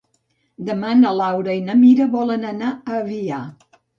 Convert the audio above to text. Demà na Laura i na Mira volen anar a Avià.